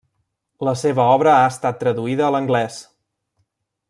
La seva obra ha estat traduïda a l'anglès.